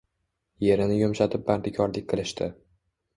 Yerini yumshatib mardikorlik qilishdi.